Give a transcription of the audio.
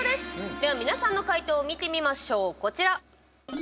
では、皆さんの解答を見てみましょう、こちら。